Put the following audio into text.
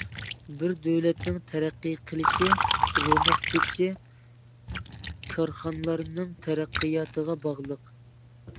بىر دۆلەتنىڭ تەرەققىي قىلىشى، روناق تېپىشى كارخانىلارنىڭ تەرەققىياتىغا باغلىق.